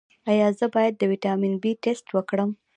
ایا زه باید د ویټامین بي ټسټ وکړم؟